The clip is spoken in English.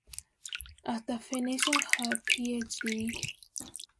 After finishing her PhD.